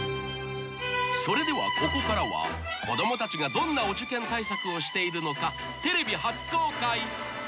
［それではここからは子供たちがどんなお受験対策をしているのかテレビ初公開］